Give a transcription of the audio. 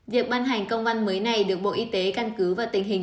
việc ban hành công văn mới này được bộ y tế căn cứ vào tình hình